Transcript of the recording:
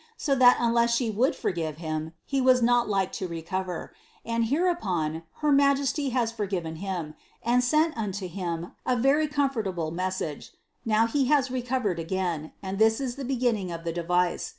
so thai unleai she would iVirgiTe himi he was nol like to recnverj and hereupon her majesly has forj^icen him, anil senl unto him a very conilbrlable message, ffcm he has recovered a^in. and ihja ia the beginning of the device.